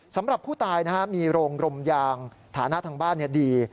สำหรับผู้ตายมีโรงรมยางฐานะทางบ้านดี